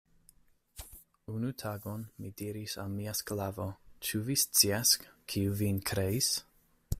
Unu tagon, mi diris al mia sklavo, Ĉu vi scias, kiu vin kreis?